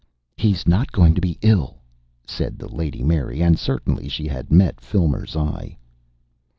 "He's not going to be ill," said the Lady Mary, and certainly she had met Filmer's eye.